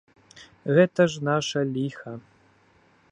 Гэта ж наша ліха.